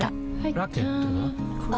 ラケットは？